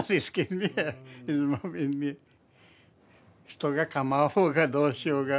人がかまおうがどうしようが。